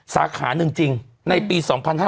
สาขานึงจริงในปี๒๕๖๑